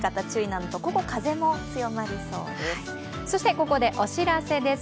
ここでお知らせです。